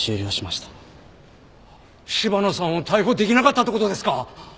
柴野さんを逮捕できなかったってことですか。